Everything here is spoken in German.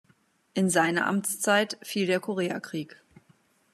In seine Amtszeit fiel der Koreakrieg.